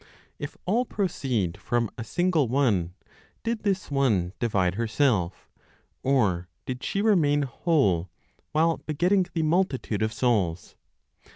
If all proceed from a single one, did this one divide herself, or did she remain whole, while begetting the multitude of souls?